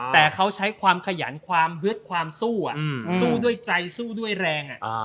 แต่เขาใช้ความขยันความเฮือดความสู้สู้ด้วยใจสู้ด้วยแรง